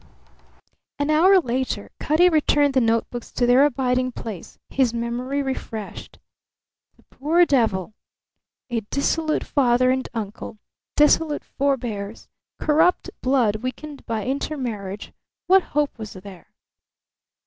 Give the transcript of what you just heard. An hour later Cutty returned the notebooks to their abiding place, his memory refreshed. The poor devil! A dissolute father and uncle, dissolute forbears, corrupt blood weakened by intermarriage, what hope was there?